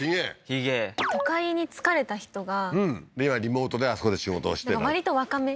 都会に疲れた人が今リモートであそこで仕事をだから割と若め？